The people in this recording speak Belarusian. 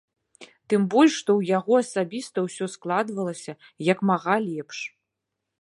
Тым больш, што ў яго асабіста ўсё складвалася як мага лепш.